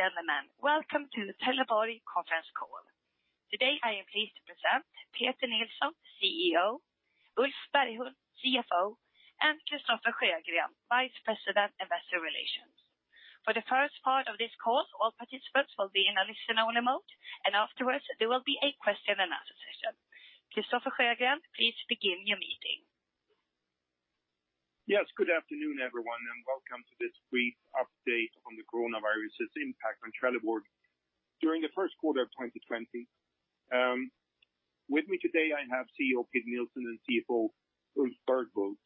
Ladies and gentlemen, welcome to Trelleborg conference call. Today I am pleased to present Peter Nilsson, CEO, Ulf Berghult, CFO, and Christofer Sjögren, Vice President Investor Relations. For the first part of this call, all participants will be in a listen-only mode, and afterwards there will be a question and answer session. Christofer Sjögren, please begin your meeting. Yes, good afternoon, everyone, and welcome to this brief update on the coronavirus's impact on Trelleborg during the first quarter of 2020. With me today, I have CEO Peter Nilsson and CFO Ulf Berghult.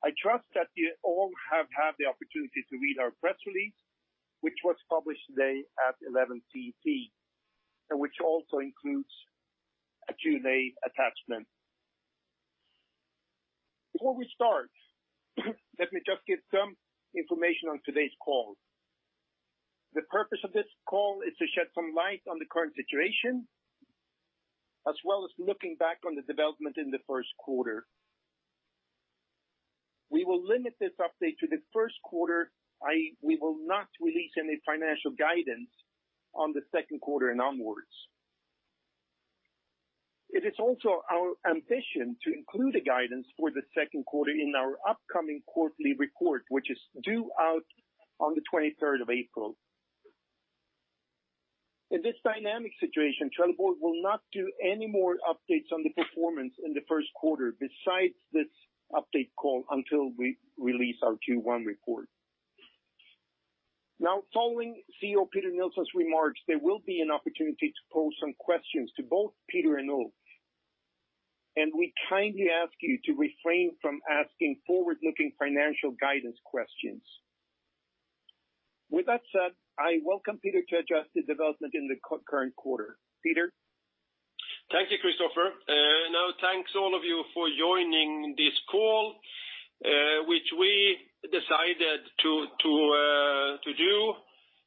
I trust that you all have had the opportunity to read our press release, which was published today at 11:00 CT, and which also includes a Q&A attachment. Before we start, let me just give some information on today's call. The purpose of this call is to shed some light on the current situation, as well as looking back on the development in the first quarter. We will limit this update to the first quarter, i.e., we will not release any financial guidance on the second quarter and onwards. It is also our ambition to include a guidance for the second quarter in our upcoming quarterly report, which is due out on the 23rd of April. In this dynamic situation, Trelleborg will not do any more updates on the performance in the first quarter besides this update call until we release our Q1 report. Now, following CEO Peter Nilsson's remarks, there will be an opportunity to pose some questions to both Peter and Ulf, and we kindly ask you to refrain from asking forward-looking financial guidance questions. With that said, I welcome Peter to address the development in the current quarter. Peter? Thank you, Christofer. Thanks all of you for joining this call, which we decided to do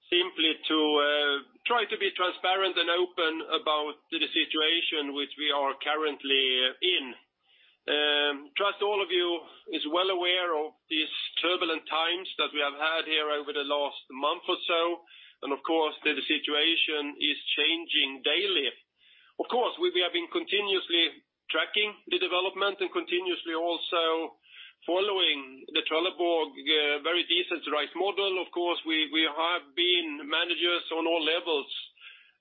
simply to try to be transparent and open about the situation which we are currently in. Trust all of you is well aware of these turbulent times that we have had here over the last month or so, and of course, the situation is changing daily. Of course, we have been continuously tracking the development and continuously also following the Trelleborg very decentralized model. Of course, we have been managers on all levels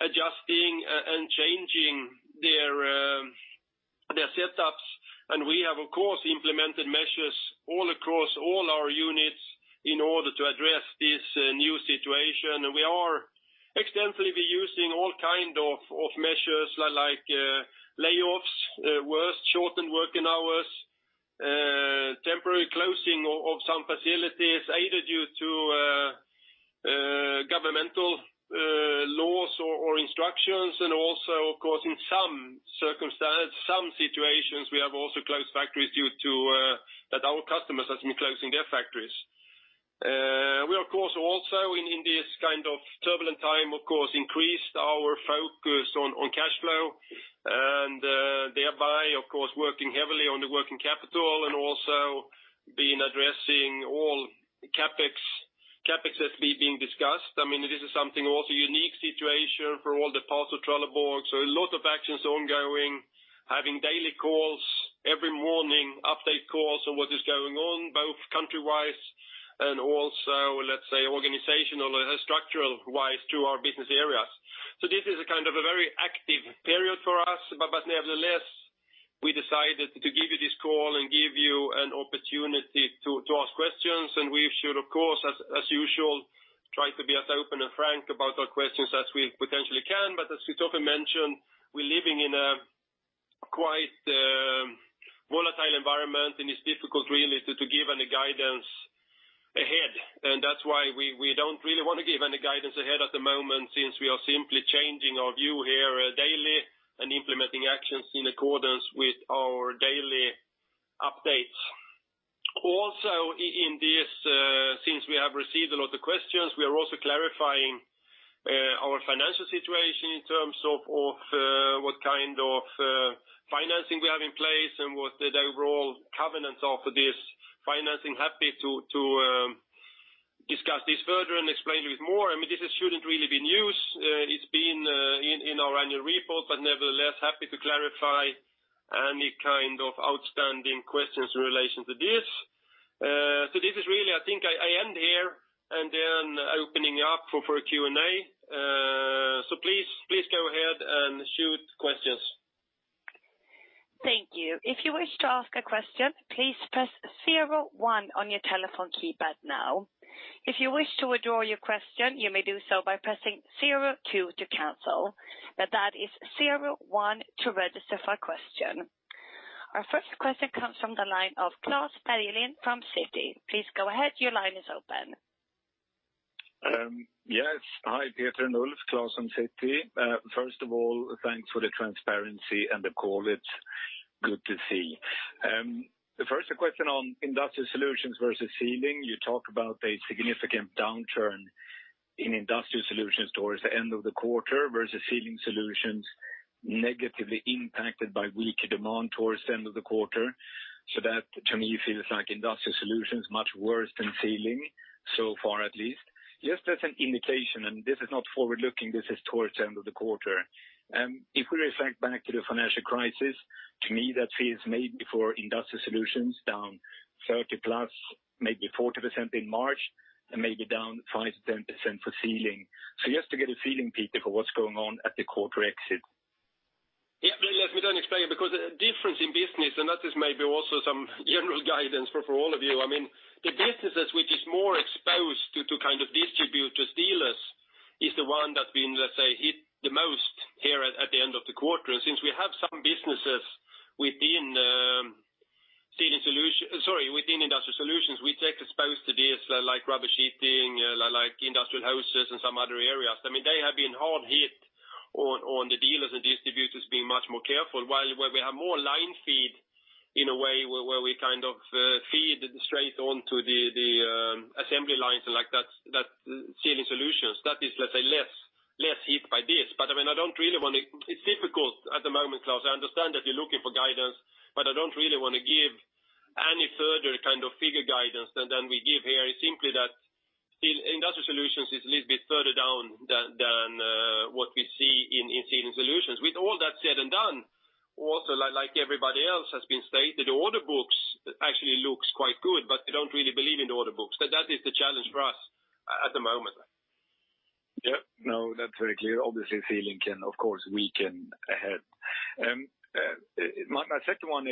adjusting and changing their setups, and we have, of course, implemented measures all across all our units in order to address this new situation. We are extensively be using all kind of measures like layoffs, worse shortened working hours, temporary closing of some facilities, either due to governmental laws or instructions. Also, of course, in some situations, we have also closed factories due to that our customers have been closing their factories. We, of course, also in this kind of turbulent time, of course, increased our focus on cash flow and thereby, of course, working heavily on the working capital and also been addressing all CapEx as being discussed. This is something also unique situation for all the parts of Trelleborg, so a lot of actions ongoing, having daily calls every morning, update calls on what is going on, both country-wise and also, let's say, organizational structural-wise through our business areas. This is a kind of a very active period for us, but nevertheless, we decided to give you this call and give you an opportunity to ask questions. We should, of course, as usual, try to be as open and frank about our questions as we potentially can. As Christofer mentioned, we're living in a quite volatile environment, and it's difficult really to give any guidance ahead. That's why we don't really want to give any guidance ahead at the moment since we are simply changing our view here daily and implementing actions in accordance with our daily updates. Also, in this, since we have received a lot of questions, we are also clarifying our financial situation in terms of what kind of financing we have in place and what the overall covenants of this financing. Happy to discuss this further and explain to you more. This shouldn't really be news. It's been in our annual report, but nevertheless, happy to clarify any kind of outstanding questions in relation to this. This is really, I think I end here and then opening up for Q&A. Please go ahead and shoot questions. Thank you. If you wish to ask a question, please press 01 on your telephone keypad now. If you wish to withdraw your question, you may do so by pressing 02 to cancel. That is 01 to register for a question. Our first question comes from the line of Klas Berglind from Citi. Please go ahead. Your line is open. Yes. Hi, Peter and Ulf. Klas from Citi. First of all, thanks for the transparency and the call. It's good to see. The first question on Industrial Solutions versus Sealing. You talk about a significant downturn in Industrial Solutions towards the end of the quarter versus Sealing Solutions. Negatively impacted by weaker demand towards the end of the quarter. That to me feels like Industrial Solutions much worse than Sealing, so far at least. Just as an indication, and this is not forward-looking, this is towards the end of the quarter. If we reflect back to the financial crisis, to me that feels maybe for Industrial Solutions down 30+, maybe 40% in March, and maybe down 5%-10% for Sealing. Just to get a feeling, Peter, for what's going on at the quarter exit. Yeah. Let me explain, because the difference in business, and that is maybe also some general guidance for all of you. I mean, the businesses which is more exposed to kind of distributors, dealers, is the one that's been, let's say, hit the most here at the end of the quarter. We have some businesses within Industrial Solutions, we take exposure to this, like rubber sheeting, like industrial hoses and some other areas. I mean, they have been hard hit on the dealers and distributors being much more careful. Where we have more line feed in a way where we kind of feed straight on to the assembly lines, and like that Sealing Solutions, that is, let's say, less hit by this. I mean, it's difficult at the moment, Klas. I understand that you're looking for guidance, but I don't really want to give any further kind of figure guidance than we give here. It's simply that Industrial Solutions is a little bit further down than what we see in Sealing Solutions. With all that said and done, also like everybody else has been stated, the order books actually looks quite good, but we don't really believe in the order books. That is the challenge for us at the moment. Yeah. That's very clear. Sealing can, of course, weaken ahead. My second one.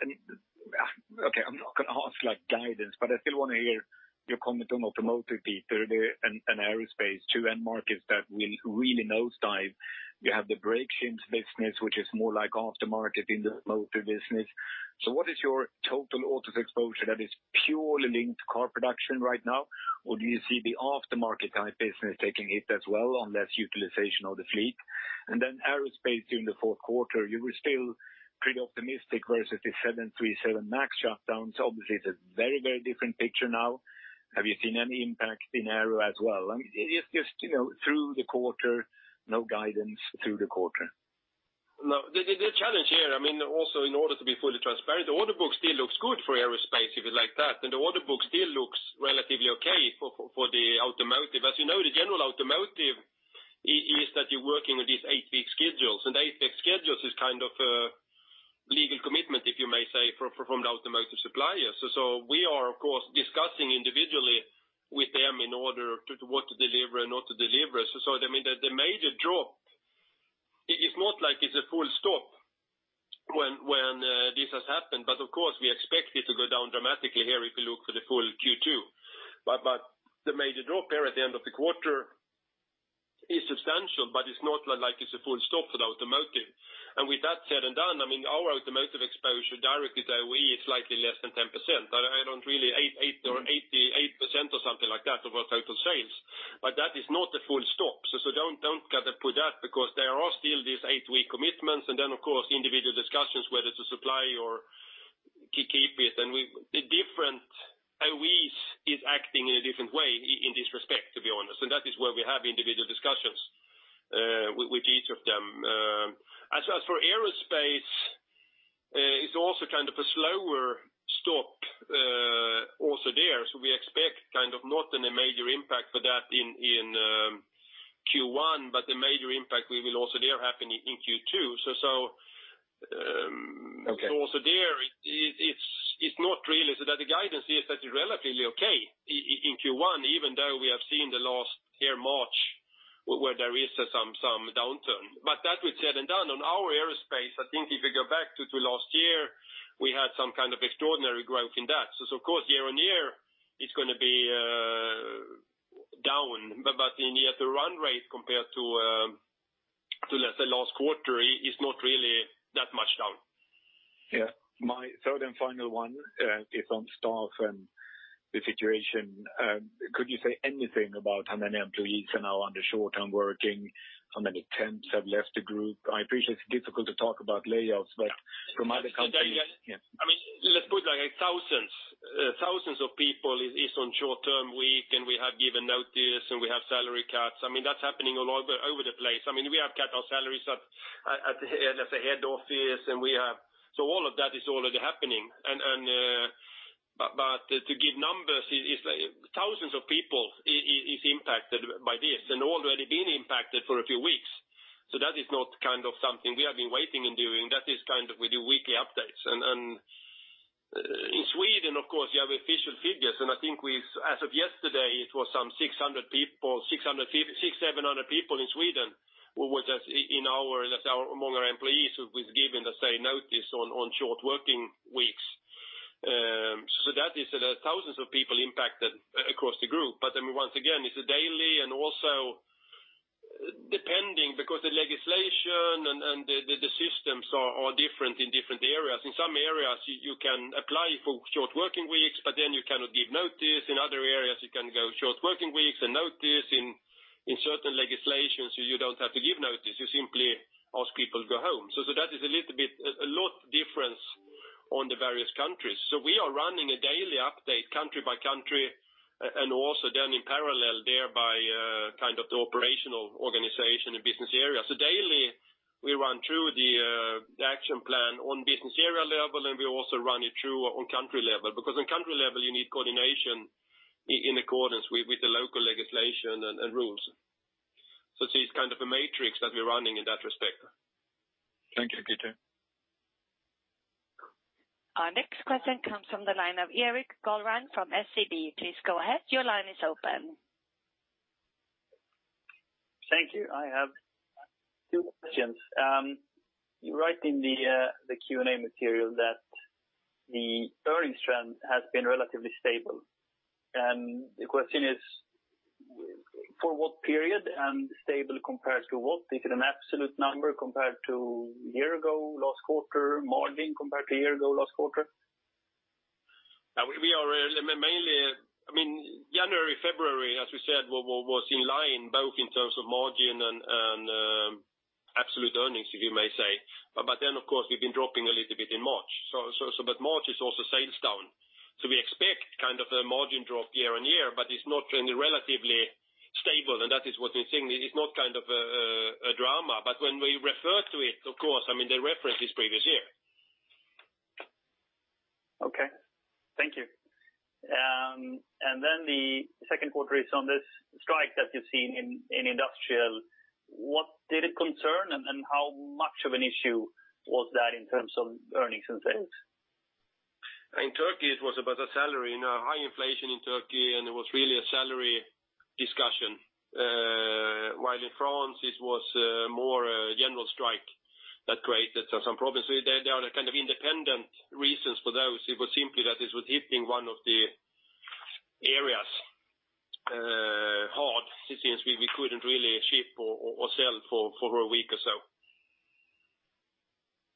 I'm not going to ask for guidance, I still want to hear your comment on automotive, Peter, and aerospace too, end markets that will really nosedive. You have the brake systems business, which is more like aftermarket in the automotive business. What is your total autos exposure that is purely linked to car production right now? Do you see the aftermarket type business taking hit as well on less utilization of the fleet? Aerospace during the fourth quarter, you were still pretty optimistic versus the 737 MAX shutdowns. It's a very different picture now. Have you seen any impact in aero as well? Just through the quarter, no guidance through the quarter. No. The challenge here, I mean, also in order to be fully transparent, the order book still looks good for aerospace, if you like that. The order book still looks relatively okay for the automotive. As you know, the general automotive is that you're working with these eight-week schedules. Eight-week schedules is kind of a legal commitment, if you may say, from the automotive suppliers. We are, of course, discussing individually with them in order what to deliver and not to deliver. I mean, the major drop, it's not like it's a full stop when this has happened. Of course, we expect it to go down dramatically here if you look for the full Q2. The major drop here at the end of the quarter is substantial, but it's not like it's a full stop for the automotive. With that said and done, I mean, our automotive exposure directly to OE is likely less than 10%. 88% or something like that of our total sales. That is not a full stop. Don't get it put out because there are still these eight-week commitments and then, of course, individual discussions whether to supply or keep it. The different OEs is acting in a different way in this respect, to be honest. That is where we have individual discussions with each of them. As for aerospace, it's also kind of a slower stop also there. We expect kind of not any major impact for that in Q1, but the major impact we will also there happen in Q2. Okay. Also there, the guidance is that you're relatively okay in Q1, even though we have seen the last year, March, where there is some downturn. That said and done, on our aerospace, I think if we go back to last year, we had some kind of extraordinary growth in that. Of course, year-on-year it's going to be down. At the run rate compared to, let's say, last quarter, is not really that much down. My third and final one is on staff and the situation. Could you say anything about how many employees are now under short-term working? How many temps have left the group? I appreciate it's difficult to talk about layoffs, but from other countries. I mean, let's put it like thousands of people is on short-term week, and we have given notice, and we have salary cuts. I mean, that's happening all over the place. I mean, we have cut our salaries at the head office. All of that is already happening. To give numbers, thousands of people is impacted by this, and already been impacted for a few weeks. That is not kind of something we have been waiting in doing. That is kind of we do weekly updates. In Sweden, of course, you have official figures. I think as of yesterday, it was some 600, 700 people in Sweden who was among our employees who was given the same notice on short working weeks. That is the thousands of people impacted across the group. Once again, it's a daily and also depending, because the legislation and the systems are different in different areas. In some areas, you can apply for short working weeks, you cannot give notice. In other areas, you can go short working weeks and notice. In certain legislations, you don't have to give notice. You simply ask people to go home. That is a lot of difference on the various countries. We are running a daily update country by country, and also in parallel thereby, the operational organization and business area. Daily we run through the action plan on business area level, and we also run it through on country level, because on country level, you need coordination in accordance with the local legislation and rules. It is a matrix that we're running in that respect. Thank you, Peter. Our next question comes from the line of Erik Golrang from SEB. Please go ahead. Your line is open. Thank you. I have two questions. You write in the Q&A material that the earnings trend has been relatively stable. The question is for what period and stable compared to what? Is it an absolute number compared to a year ago, last quarter, margin compared to a year ago, last quarter? January, February, as we said, was in line both in terms of margin and absolute earnings, you may say. Of course, we've been dropping a little bit in March. March is also sales down. We expect a margin drop year-on-year, but it's not trending relatively stable, and that is what we're seeing. It's not a drama, but when we refer to it, of course, the reference is previous year. Okay. Thank you. The second quarter is on this strike that you're seeing in industrial. What did it concern and how much of an issue was that in terms of earnings and sales? In Turkey, it was about a salary. High inflation in Turkey, it was really a salary discussion. While in France, it was more a general strike that created some problems. There are independent reasons for those. It was simply that it was hitting one of the areas hard since we couldn't really ship or sell for over a week or so.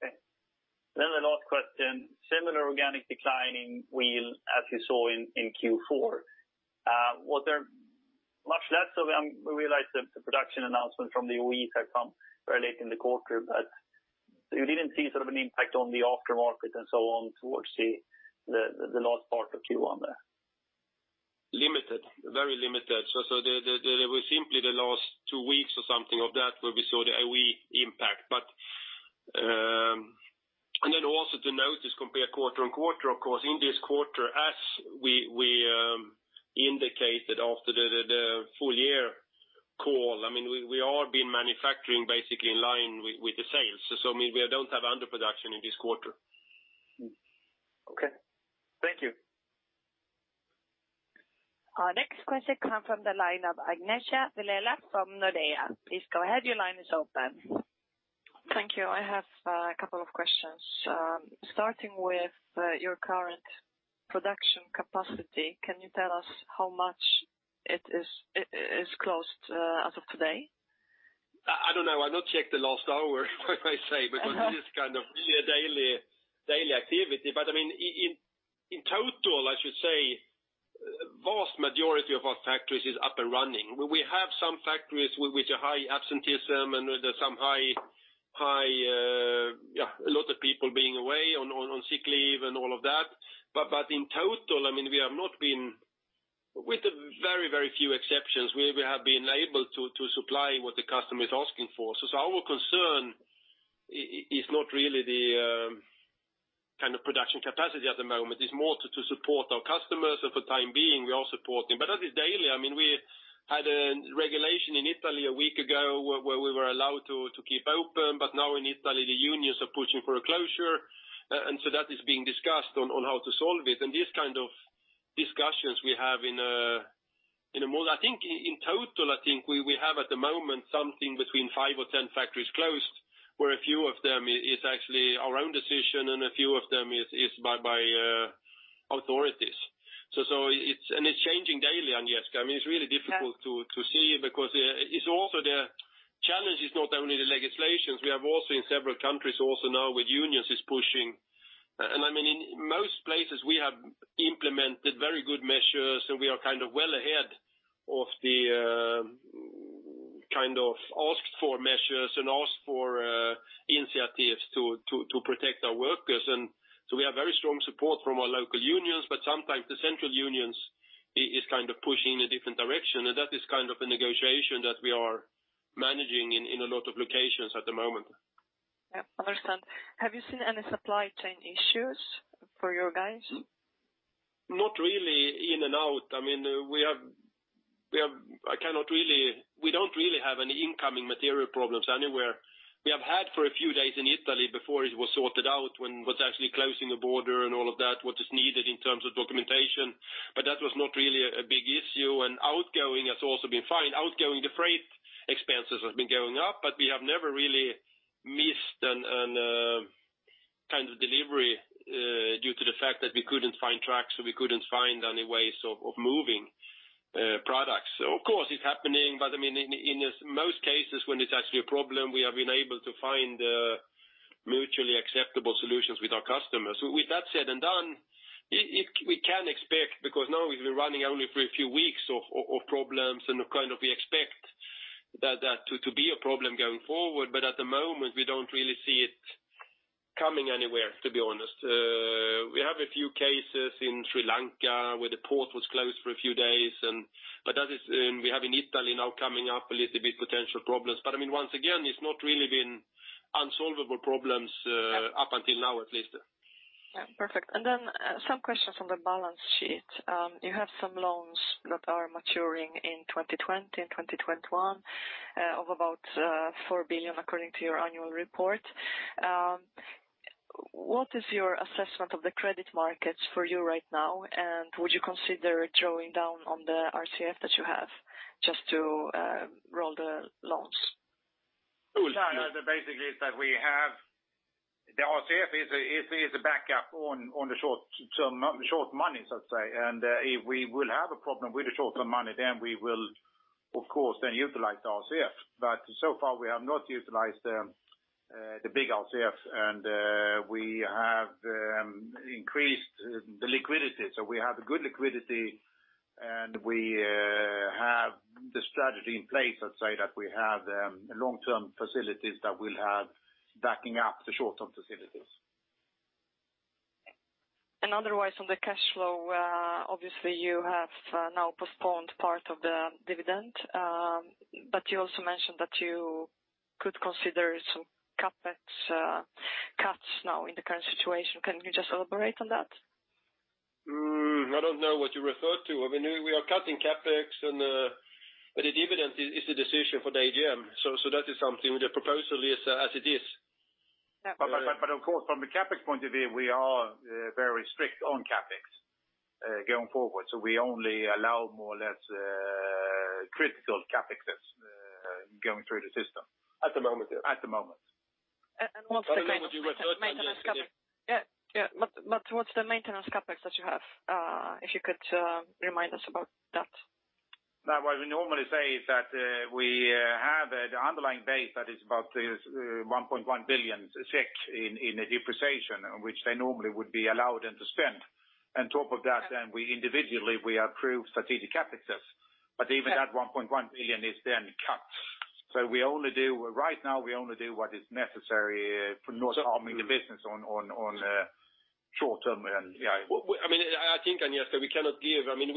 Okay. The last question, similar organic decline in wheel as you saw in Q4. We realize that the production announcement from the OE had come very late in the quarter, but you didn't see an impact on the aftermarket and so on towards the last part of Q1 there? Limited, very limited. There was simply the last two weeks or something of that where we saw the OE impact. Also to note is compare quarter-on-quarter, of course, in this quarter as we indicated after the full year call, we all have been manufacturing basically in line with the sales. We don't have underproduction in this quarter. Okay. Thank you. Our next question comes from the line of Agnieszka Dylewska from Nordea. Please go ahead, your line is open. Thank you. I have a couple of questions. Starting with your current production capacity. Can you tell us how much it is closed as of today? I don't know. I've not checked the last hour I say because it is a daily activity, but in total, I should say vast majority of our factories is up and running. We have some factories with a high absenteeism and there's a lot of people being away on sick leave and all of that. In total, with a very few exceptions, we have been able to supply what the customer is asking for. Our concern is not really the production capacity at the moment, it's more to support our customers for the time being. We are supporting. As is daily, we had a regulation in Italy a week ago where we were allowed to keep open, but now in Italy, the unions are pushing for a closure, and so that is being discussed on how to solve it, and these kind of discussions we have in a mode. I think in total, I think we have at the moment something between five or 10 factories closed, where a few of them is actually our own decision and a few of them is by authorities. It's changing daily, Agnieszka. It's really difficult to see because the challenge is not only the legislations, we have also in several countries also now with unions is pushing. In most places we have implemented very good measures, and we are well ahead of the asked for measures and asked for initiatives to protect our workers. We have very strong support from our local unions. Sometimes the central unions is pushing in a different direction. That is a negotiation that we are managing in a lot of locations at the moment. Yeah. Understand. Have you seen any supply chain issues for your guys? Not really in and out. We don't really have any incoming material problems anywhere. We have had for a few days in Italy before it was sorted out when was actually closing the border and all of that, what is needed in terms of documentation. That was not really a big issue, and outgoing has also been fine. Outgoing, the freight expenses have been going up, but we have never really missed any delivery due to the fact that we couldn't find trucks or we couldn't find any ways of moving products. Of course, it's happening, but in most cases, when it's actually a problem, we have been able to find mutually acceptable solutions with our customers. With that said and done, we can expect because now we've been running only for a few weeks of problems and we expect That to be a problem going forward, at the moment, we don't really see it coming anywhere, to be honest. We have a few cases in Sri Lanka where the port was closed for a few days. We have in Italy now coming up a little bit potential problems. Once again, it's not really been unsolvable problems up until now, at least. Yeah. Perfect. Then some questions on the balance sheet. You have some loans that are maturing in 2020 and 2021 of about 4 billion according to your annual report. What is your assessment of the credit markets for you right now, and would you consider drawing down on the RCF that you have just to roll the loans? The basic is that we have The RCF is a backup on the short money, so let's say. If we will have a problem with the short term money, then we will, of course, then utilize the RCF. So far, we have not utilized the big RCFs and we have increased the liquidity. We have good liquidity, and we have the strategy in place, let's say that we have long-term facilities that will have backing up the short-term facilities. Otherwise on the cash flow, obviously you have now postponed part of the dividend. You also mentioned that you could consider some CapEx cuts now in the current situation. Can you just elaborate on that? I don't know what you refer to. We are cutting CapEx and the dividend is a decision for the AGM. That is something with the proposal is as it is. Yeah. Of course, from the CapEx point of view, we are very strict on CapEx going forward. We only allow more or less critical CapEx that's going through the system. At the moment, yeah. At the moment. What's the maintenance CapEx? Yeah. What's the maintenance CapEx that you have? If you could remind us about that. What we normally say is that we have the underlying base that is about 1.1 billion SEK in depreciation, which they normally would be allowed then to spend. On top of that, we individually, we approve strategic CapExes, but even that 1.1 billion is then cut. Right now we only do what is necessary for not harming the business on short term and yeah. I think, Agnieszka, We've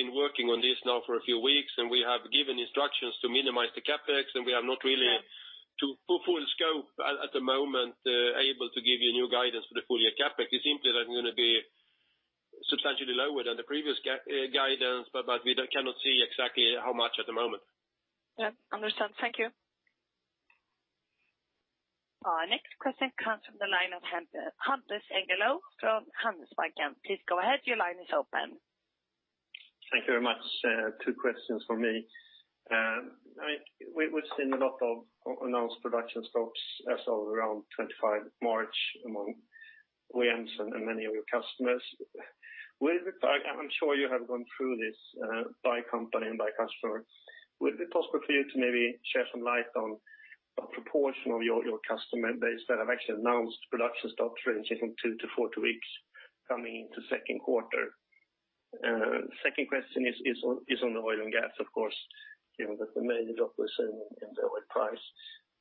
been working on this now for a few weeks, and we have given instructions to minimize the CapEx, and we have not really to full scope at the moment able to give you new guidance for the full year CapEx. It's simply that it's going to be substantially lower than the previous guidance, but we cannot see exactly how much at the moment. Yeah. Understood. Thank you. Our next question comes from the line of Hampus Engellau from Handelsbanken. Please go ahead. Your line is open. Thank you very much. Two questions from me. We've seen a lot of announced production stops as of around 25 March among OEMs and many of your customers. I'm sure you have gone through this by company and by customer. Would it be possible for you to maybe shed some light on a proportion of your customer base that have actually announced production stops ranging from two to four weeks coming into second quarter? Second question is on the oil and gas, of course, given that the major drop was in the oil price.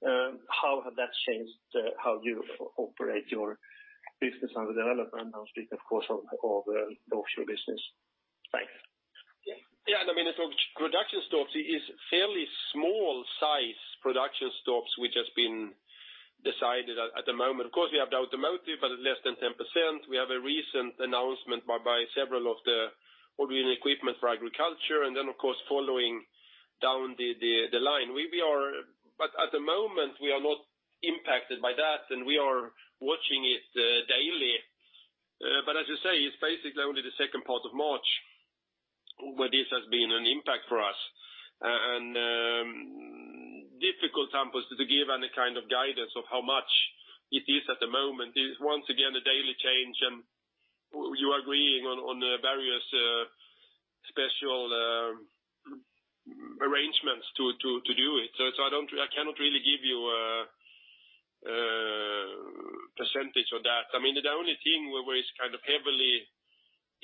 How has that changed how you operate your business under development? I'm speaking, of course, of the offshore business. Thanks. Yeah. The production stops is fairly small size production stops which has been decided at the moment. Of course, we have the automotive at less than 10%. We have a recent announcement by several of the original equipment for agriculture, and then of course, following down the line. At the moment, we are not impacted by that, and we are watching it daily. As you say, it's basically only the second part of March where this has been an impact for us, and difficult simply to give any kind of guidance of how much it is at the moment. It is once again a daily change, and you are agreeing on various special arrangements to do it. I cannot really give you a percentage of that. The only thing where it's heavily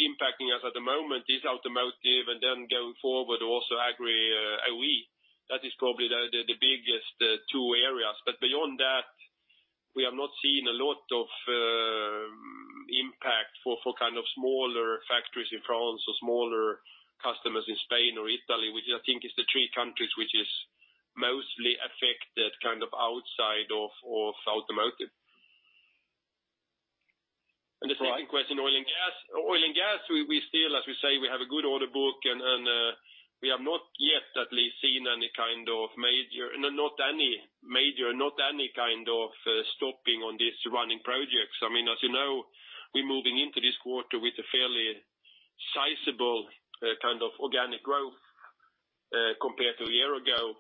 impacting us at the moment is automotive and then going forward also agri OE. That is probably the biggest two areas. Beyond that, we have not seen a lot of impact for smaller factories in France or smaller customers in Spain or Italy, which I think is the three countries which is mostly affected outside of automotive. The second question, oil and gas. Oil and gas, we still, as we say, we have a good order book, and we have not yet at least seen any kind of major, not any kind of stopping on these running projects. As you know, we're moving into this quarter with a fairly sizable organic growth compared to a year ago.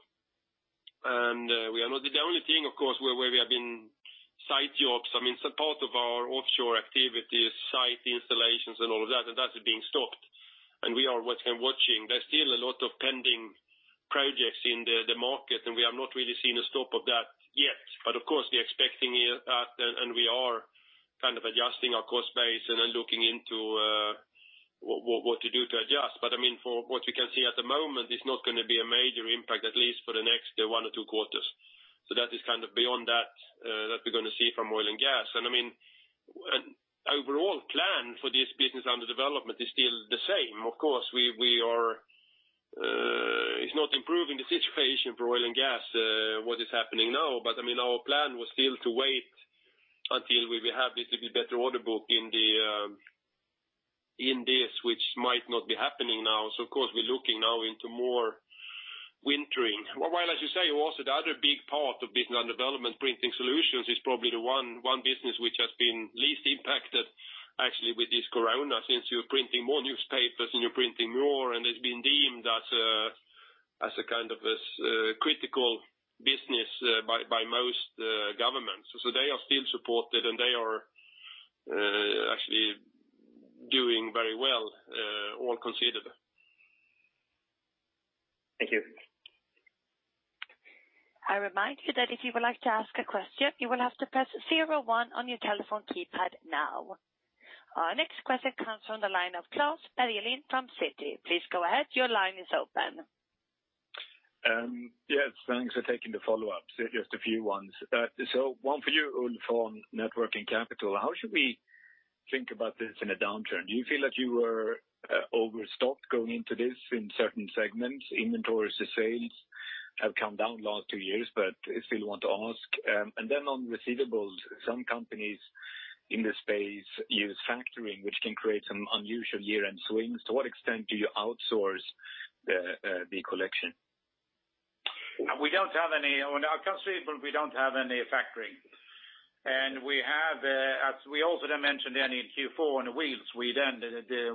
The only thing, of course, where we have been site jobs, support of our offshore activities, site installations and all of that has been stopped, and we are watching. There's still a lot of pending projects in the market, and we have not really seen a stop of that yet. Of course, we are expecting that, and we are. Kind of adjusting our cost base and then looking into what to do to adjust. For what we can see at the moment, it's not going to be a major impact, at least for the next one or two quarters. That is kind of beyond that we're going to see from oil and gas. Overall plan for this business under development is still the same. Of course, it's not improving the situation for oil and gas, what is happening now, but our plan was still to wait until we will have this a bit better order book in this, which might not be happening now. Of course, we're looking now into more wintering. As you say, also the other big part of business under development, Printing Solutions, is probably the one business which has been least impacted actually with this corona, since you're printing more newspapers and you're printing more, and it's been deemed as a kind of a critical business by most governments. They are still supported, and they are actually doing very well, all considered. Thank you. I remind you that if you would like to ask a question, you will have to press zero one on your telephone keypad now. Our next question comes from the line of Klas Berglin from Citi. Please go ahead. Your line is open. Yes, thanks for taking the follow-up. Just a few ones. One for you, Ulf, on working capital. How should we think about this in a downturn? Do you feel that you were overstocked going into this in certain segments? Inventories to sales have come down the last two years, but I still want to ask. On receivables, some companies in this space use factoring, which can create some unusual year-end swings. To what extent do you outsource the collection? On receivables we don't have any factoring. We also mentioned then in Q4 on wheels, Sweden,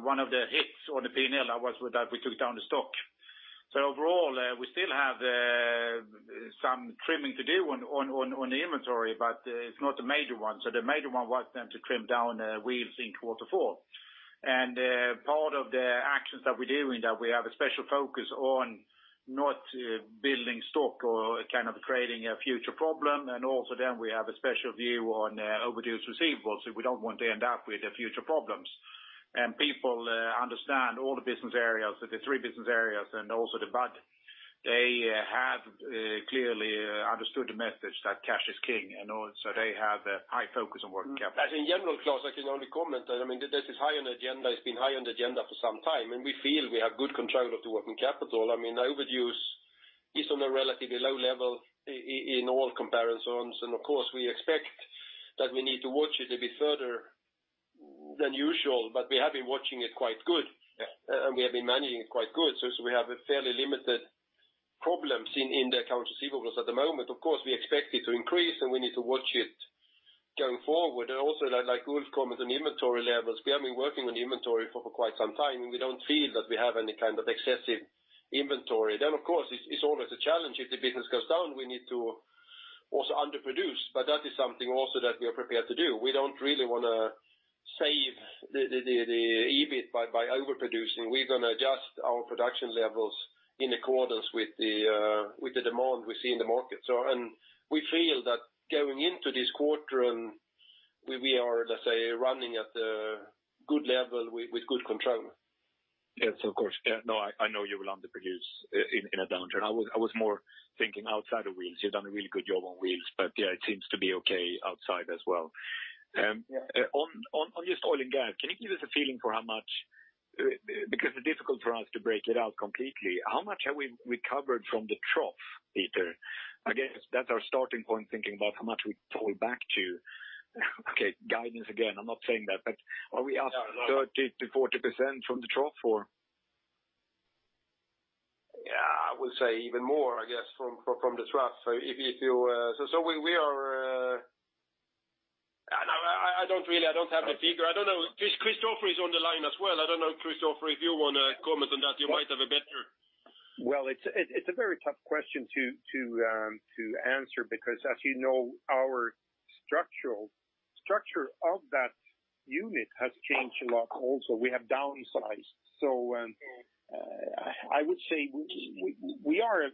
one of the hits on the P&L was that we took down the stock. Overall, we still have some trimming to do on the inventory, but it's not a major one. The major one was then to trim down wheels in quarter four. Part of the actions that we're doing, that we have a special focus on not building stock or kind of creating a future problem. Also then we have a special view on overdue receivables, so we don't want to end up with future problems. People understand all the business areas, the three business areas and also the budget. They have clearly understood the message that cash is king, and also they have a high focus on working capital. As in general, Klas, I can only comment that this is high on the agenda. It's been high on the agenda for some time, and we feel we have good control of the working capital. Overdue is on a relatively low level in all comparisons. Of course, we expect that we need to watch it a bit further than usual, but we have been watching it quite good, and we have been managing it quite good. We have fairly limited problems in the account receivables at the moment. Of course, we expect it to increase, and we need to watch it going forward. Also, like Ulf commented on inventory levels, we have been working on the inventory for quite some time, and we don't feel that we have any kind of excessive inventory. Of course, it's always a challenge if the business goes down, we need to also underproduce, but that is something also that we are prepared to do. We don't really want to save the EBIT by overproducing. We're going to adjust our production levels in accordance with the demand we see in the market. We feel that going into this quarter, we are, let's say, running at a good level with good control. Yes. Of course. I know you will underproduce in a downturn. I was more thinking outside of wheels. You've done a really good job on wheels, it seems to be okay outside as well. Yeah. On just oil and gas, can you give us a feeling for how much. Because it is difficult for us to break it out completely. How much have we recovered from the trough, Peter? I guess that's our starting point, thinking about how much we pull back to. Okay, guidance again, I'm not saying that, are we up 30%-40% from the trough, or? Yeah, I would say even more, I guess, from the trough. I don't have the figure. I don't know. Christofer is on the line as well. I don't know, Christofer, if you want to comment on that. Well, it's a very tough question to answer because, as you know, our structure of that unit has changed a lot also. We have downsized. I would say we are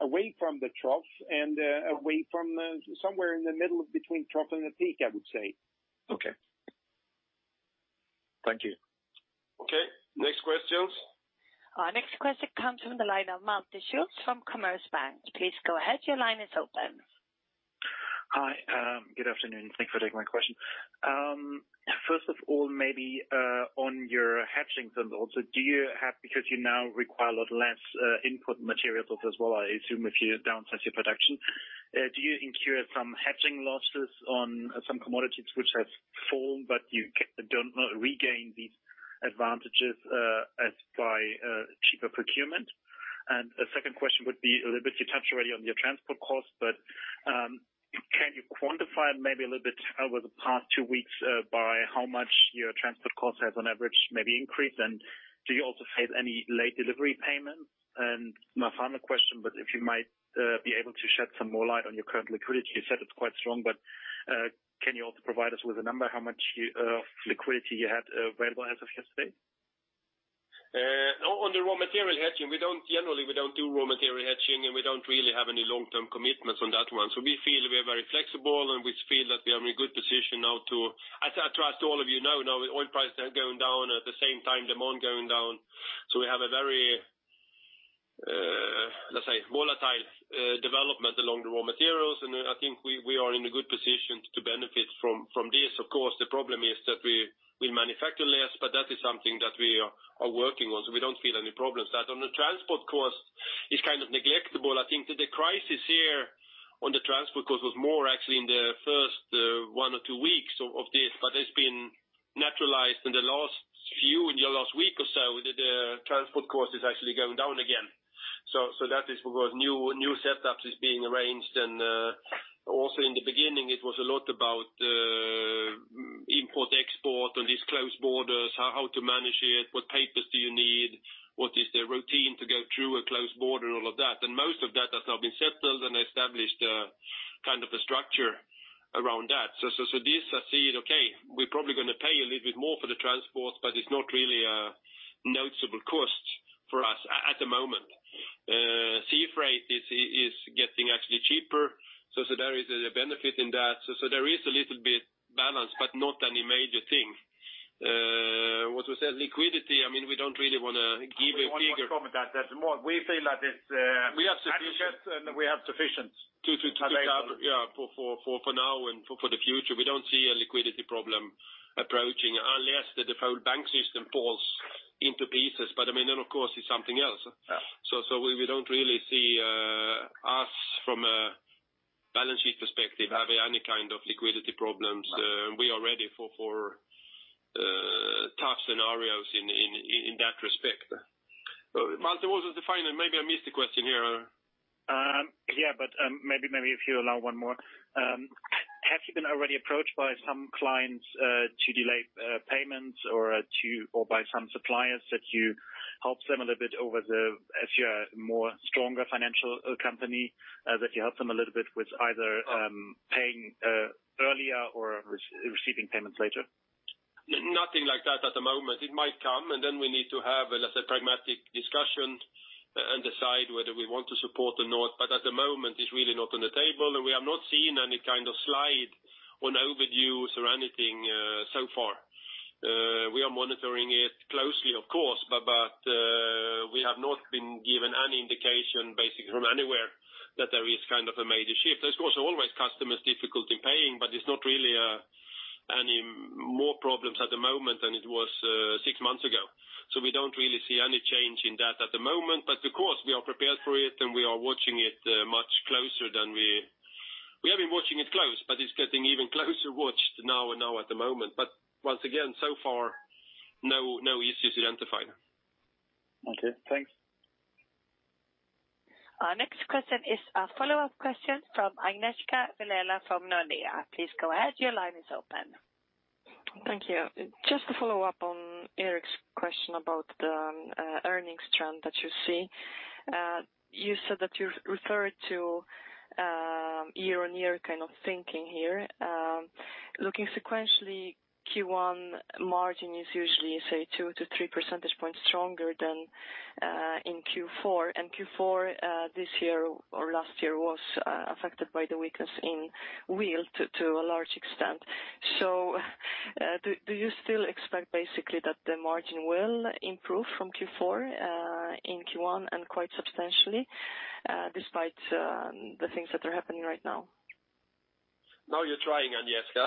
away from the trough and away from somewhere in the middle between trough and the peak, I would say. Okay. Thank you. Okay, next question. Our next question comes from the line of Malte Schulz from Commerzbank. Please go ahead. Your line is open. Hi. Good afternoon. Thank you for taking my question. First of all, maybe on your hedging results, because you now require a lot less input materials as well, I assume, if you downsize your production, do you incur some hedging losses on some commodities which have fallen, but you don't regain these advantages as by cheaper procurement? A second question would be, you touched already on your transport cost, but can you quantify maybe a little bit over the past two weeks by how much your transport cost has on average maybe increased? Do you also face any late delivery payments? My final question, if you might be able to shed some more light on your current liquidity. You said it's quite strong, but can you also provide us with a number how much liquidity you had available as of yesterday? On the raw material hedging, generally we don't do raw material hedging. We don't really have any long-term commitments on that one. We feel we are very flexible, and we feel that we are in a good position now. As I trust all of you know now, oil prices are going down. At the same time, demand is going down. We have a very, let's say, volatile development along the raw materials, and I think we are in a good position to benefit from this. Of course, the problem is that we manufacture less, but that is something that we are working on, so we don't feel any problems there. On the transport cost, it's kind of negligible. I think that the crisis here on the transport cost was more actually in the first one or two weeks of this, but it's been naturalized in the last few, in the last week or so, the transport cost is actually going down again. That is because new setups is being arranged, and also in the beginning it was a lot about import/export and these closed borders, how to manage it, what papers do you need, what is the routine to go through a closed border, all of that. Most of that has now been settled and established kind of a structure around that. This I see it okay. We're probably going to pay a little bit more for the transport, but it's not really a noticeable cost for us at the moment. Sea freight is getting actually cheaper, so there is a benefit in that. There is a little bit balance, but not any major thing. What was that? Liquidity, we don't really want to give a figure. We feel that it's adequate and we have sufficient. To cover, yeah, for now and for the future. We don't see a liquidity problem approaching unless the whole bank system falls into pieces. Of course, it's something else. Yeah. We don't really see us from a balance sheet perspective, having any kind of liquidity problems. We are ready for tough scenarios in that respect. Malte, what was the final? Maybe I missed the question here. Maybe if you allow one more. Have you been already approached by some clients to delay payments or by some suppliers that you help them a little bit as you are more stronger financial company that you help them a little bit with either paying earlier or receiving payments later? Nothing like that at the moment. It might come, and then we need to have, let's say, pragmatic discussion and decide whether we want to support or not. At the moment, it's really not on the table, and we have not seen any kind of slide on overviews or anything so far. We are monitoring it closely, of course, but we have not been given any indication basically from anywhere that there is kind of a major shift. Of course, always customers difficulty paying, but it's not really any more problems at the moment than it was six months ago. We don't really see any change in that at the moment. Of course, we are prepared for it, and we are watching it much closer than we have been watching it close, but it's getting even closer watched now at the moment. Once again, so far, no issues identified. Okay, thanks. Our next question is a follow-up question from Agnieszka Vilela from Nordea. Please go ahead. Your line is open. Thank you. Just to follow up on Erik's question about the earnings trend that you see. You said that you referred to year-on-year kind of thinking here. Looking sequentially, Q1 margin is usually, say, 2 to 3 percentage points stronger than in Q4. Q4 this year or last year was affected by the weakness in wheel to a large extent. Do you still expect basically that the margin will improve from Q4 in Q1 and quite substantially, despite the things that are happening right now? Now you're trying, Agnieszka.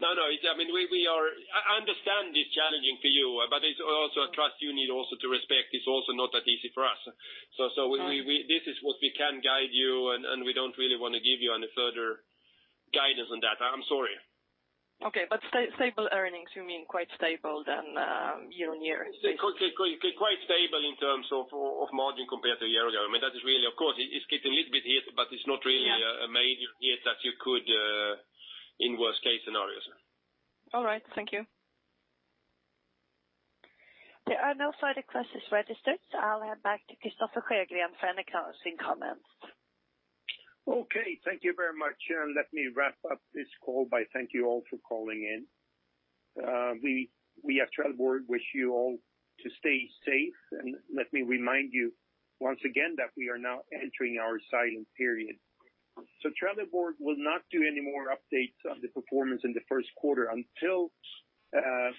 No, I understand it's challenging for you, but it's also, I trust you need also to respect it's also not that easy for us. Right. This is what we can guide you, and we don't really want to give you any further guidance on that. I'm sorry. Okay. stable earnings, you mean quite stable than year-on-year? Quite stable in terms of margin compared to a year ago. It's getting a little bit hit, but it's not really a major hit that you could in worst case scenarios. All right. Thank you. There are no further questions registered, so I'll hand back to Christofer Sjögren for any closing comments. Okay. Thank you very much. Let me wrap up this call by thank you all for calling in. We at Trelleborg wish you all to stay safe, and let me remind you once again that we are now entering our silent period. Trelleborg will not do any more updates on the performance in the first quarter until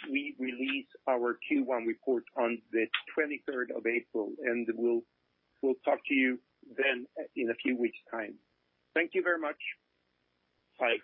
we release our Q1 report on the 23rd of April, and we'll talk to you then in a few weeks' time. Thank you very much. Bye.